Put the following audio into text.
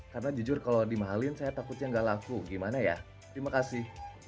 karena jujur kalau dimahalin saya takutnya nggak laku gimana ya terima kasih